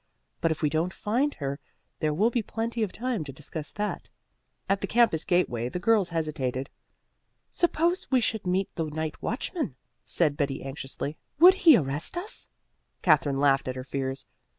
But if we don't find her, there will be plenty of time to discuss that." At the campus gateway the girls hesitated. "Suppose we should meet the night watchman?" said Betty anxiously. "Would he arrest us?" Katherine laughed at her fears.